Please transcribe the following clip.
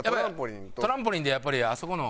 トランポリンでやっぱりあそこの。